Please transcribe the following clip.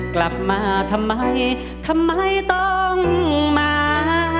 กลับมาทำไมทำไมต้องมา